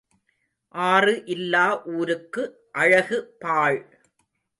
ஆறு இல்லா ஊருக்கு அழகு பாழ்.